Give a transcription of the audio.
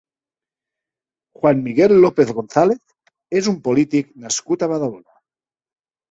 Juan Miguel López González és un polític nascut a Badalona.